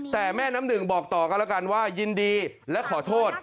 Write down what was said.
แต่แม่น้ำหนึ่งบอกต่อกันแล้วกันว่ายินดีและขอโทษ